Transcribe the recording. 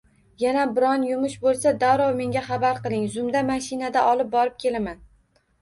“Yana biron yumush bo’lsa, darrov menga xabar qiling, zumda mashinada olib borib kelaman.”